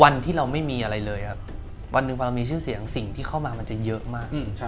วันที่เราไม่มีอะไรเลยครับวันหนึ่งพอเรามีชื่อเสียงสิ่งที่เข้ามามันจะเยอะมาก